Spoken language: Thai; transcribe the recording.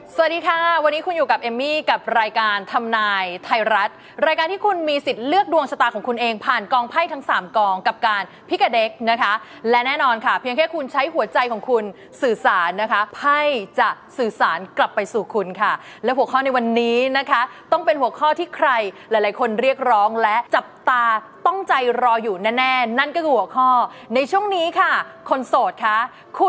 สวัสดีค่ะวันนี้คุณอยู่กับเอมมี่กับรายการทำนายไทยรัฐรายการที่คุณมีสิทธิ์เลือกดวงชะตาของคุณเองผ่านกองไพ่ทั้งสามกองกับการพี่กะเด็กนะคะและแน่นอนค่ะเพียงแค่คุณใช้หัวใจของคุณสื่อสารนะคะไพ่จะสื่อสารกลับไปสู่คุณค่ะและหัวข้อในวันนี้นะคะต้องเป็นหัวข้อที่ใครหลายคนเรียกร้องและจับตาต้องใจรออยู่แน่นั่นก็คือหัวข้อในช่วงนี้ค่ะคนโสดค่ะคุณ